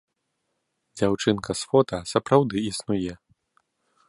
Дзяўчынка з фота сапраўды існуе.